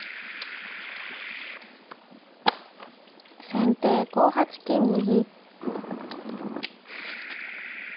先手５八金右。